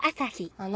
あの！